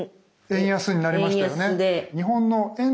円安になりましたよね。